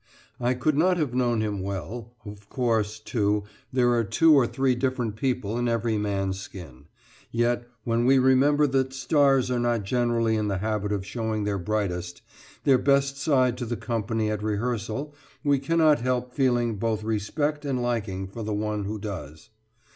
I could not have known him well; of course, too there are two or three different people in every man's skin; yet when we remember that stars are not generally in the habit of showing their brightest, their best side to the company at rehearsal, we cannot help feeling both respect and liking for the one who does.